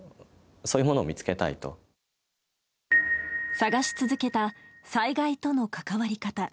探し続けた災害との関わり方。